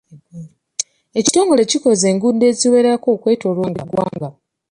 Ekitongole kikoze enguudo eziwerako okwetooloola eggwanga.